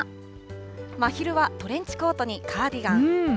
ま、真昼はトレンチコートにカーディガン。